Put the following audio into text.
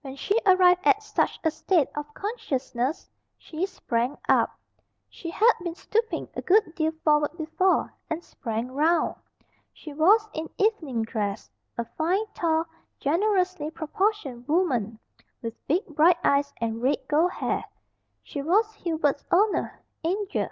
When she arrived at such a state of consciousness she sprang up she had been stooping a good deal forward before and sprang round. She was in evening dress. A fine, tall, generously proportioned woman, with big bright eyes, and red gold hair, she was Hubert's "oner" "Angel."